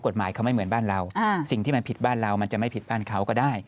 ถ้ามันผิดบ้านเรามันจะไม่ผิดบ้านเขาก็ได้